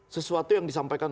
sesuatu yang disampaikan